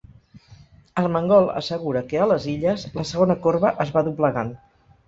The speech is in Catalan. Armengol assegura que a les Illes ‘la segona corba es va doblegant’